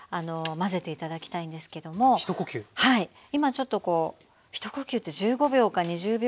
今ちょっとこう一呼吸って１５秒か２０秒ぐらいかな。